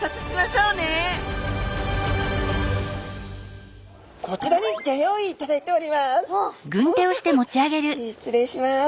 うわ失礼します。